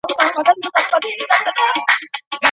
لرګین توکي ژر نه ماتیږي.